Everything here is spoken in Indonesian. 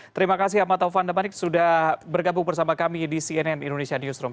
terima kasih ahmad taufan damanik sudah bergabung bersama kami di cnn indonesia newsroom